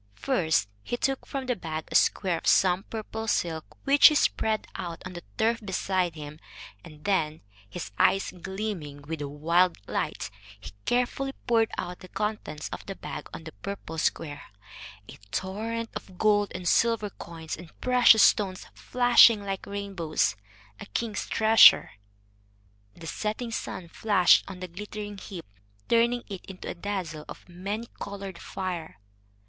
First he took from the bag a square of some purple silk stuff, which he spread out on the turf beside him, and then, his eyes gleaming with a wild light, he carefully poured out the contents of the bag on to the purple square, a torrent of gold and silver coins and precious stones flashing like rainbows a king's treasure. The setting sun flashed on the glittering heap, turning it into a dazzle of many colored fire.